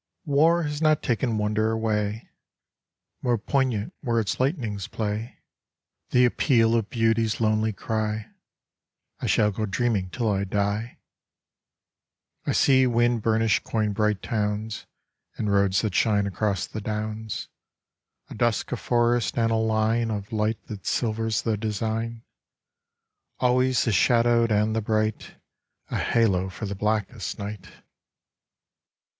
War has not taken wonder away. More poignant where its lightnings play The appeal of beauty's lonely cry ! I shall go dreaming till I die. I see wind burnished coin bright towns, And roads that shine across the downs ; A dusk of forest and a line Of light that silvers the design ; Always the shadowed and the bright, A halo for the blackest night